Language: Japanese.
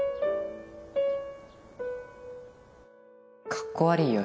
かっこ悪ぃよ